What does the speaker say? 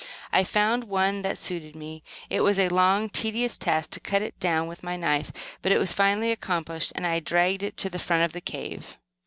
I found one that suited me. It was a long tedious task to cut it down with my knife, but it was finally accomplished, and I dragged it to the front of the cave.